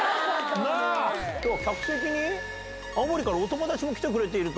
きょうは客席に青森からお友達も来てくれていると。